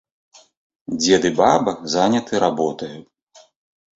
Дзед і баба заняты работаю.